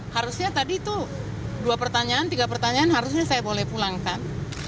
harusnya tadi itu dua pertanyaan tiga pertanyaan harusnya saya boleh pulangkan